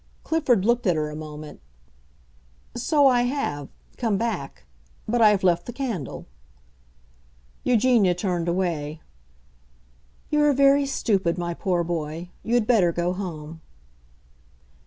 Clifford looked at her a moment. "So I have—come back. But I have left the candle!" Eugenia turned away. "You are very stupid, my poor boy. You had better go home."